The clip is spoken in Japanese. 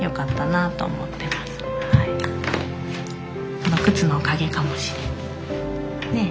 この靴のおかげかもしれんね。